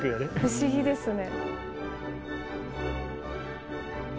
不思議ですね。